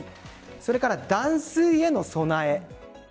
それから断水への備え。